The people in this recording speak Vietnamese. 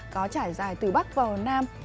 có trải dài từ bắc vào nam